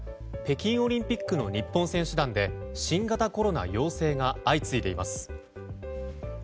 北京オリンピックの日本選手団で新型コロナ陽性が相次いでいます。